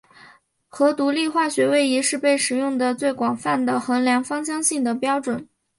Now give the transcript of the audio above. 核独立化学位移是被使用得最广泛的衡量芳香性的指标。